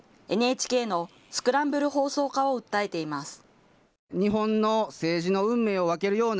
ＮＨＫのスクランブル放送化を訴えています。